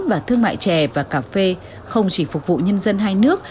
và thương mại chè và cà phê không chỉ phục vụ nhân dân hai nước